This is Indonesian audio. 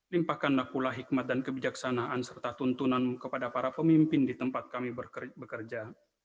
limpahkanlah pula hikmat dan kebijaksanaan serta tuntunanmu kepada para pemimpin di tempat kami bekerja